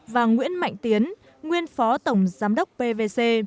và nguyễn mạnh tiến nguyên phó tổng giám đốc pvc